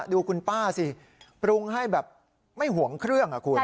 ดูคุณป้าสิปรุงให้แบบไม่ห่วงเครื่องอ่ะคุณ